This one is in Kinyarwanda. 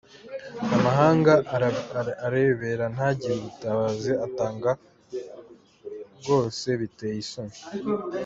amahanga arebera ntagire ubutabazi atanga rwose biteye isoni.